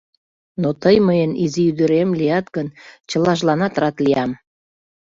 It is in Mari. Но тый мыйын изи ӱдырем лият гын, чылажланат рат лиям.